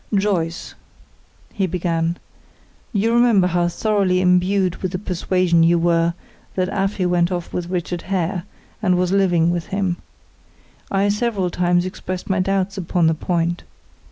"Joyce," he began, "you remember how thoroughly imbued with the persuasion you were, that Afy went off with Richard Hare, and was living with him. I several times expressed my doubts upon the point.